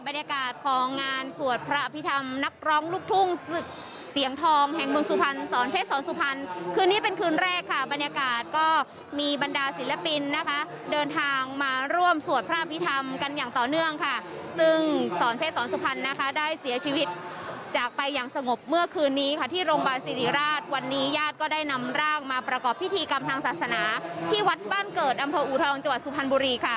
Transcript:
บรรยากาศของงานสวดพระอภิษฐรรมนักร้องลูกทุ่งเสียงทองแห่งบริมสุพรรณสอนเพชรสอนสุพรรณคืนนี้เป็นคืนแรกค่ะบรรยากาศก็มีบรรดาศิลปินนะคะเดินทางมาร่วมสวดพระอภิษฐรรมกันอย่างต่อเนื่องค่ะซึ่งสอนเพชรสอนสุพรรณนะคะได้เสียชีวิตจากไปอย่างสงบเมื่อคืนนี้ค่ะที่โรงพยาบาลสิริร